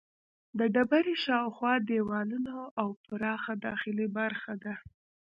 د ډبرې شاوخوا دیوالونه او پراخه داخلي برخه ده.